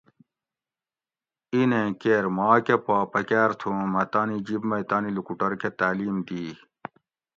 اِینیں کیر مھا کہ پا پکاۤر تھو اوں مۤہ تانی جِب مئی تانی لوکوٹور کہ تعلیم دی